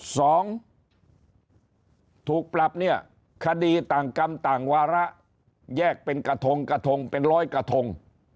สองถูกปรับเนี่ยคดีต่างกรรมต่างวาระแยกเป็นกระทงกระทงเป็นร้อยกระทง